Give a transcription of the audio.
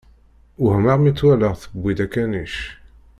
Wehmeɣ mi tt-walaɣ tewwi-d akanic.